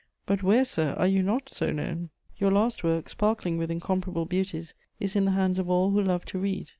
But where, sir, are you not so known? Your last work, sparkling with incomparable beauties, is in the hands of all who love to read.